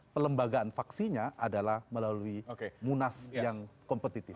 pelembagaan vaksinya adalah melalui munas yang kompetitif